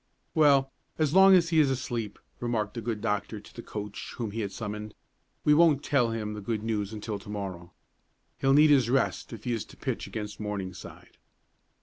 "Well, as long as he is asleep," remarked the good doctor to the coach whom he had summoned, "we won't tell him the good news until to morrow. He'll need his rest if he is to pitch against Morningside."